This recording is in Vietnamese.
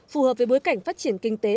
phù hợp với bối cảnh phát triển kinh tế